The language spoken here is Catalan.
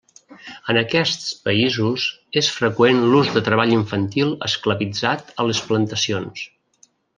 En aquests països és freqüent l'ús de treball infantil esclavitzat a les plantacions.